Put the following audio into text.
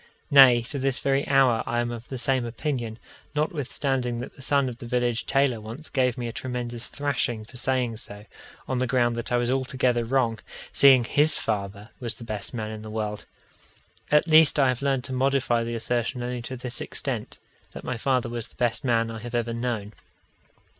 Nay, to this very hour I am of the same opinion, notwithstanding that the son of the village tailor once gave me a tremendous thrashing for saying so, on the ground that I was altogether wrong, seeing his father was the best man in the world at least I have learned to modify the assertion only to this extent that my father was the best man I have ever known.